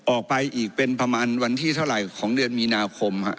ออกไปอีกเป็นประมาณวันที่เท่าไหร่ของเดือนมีนาคม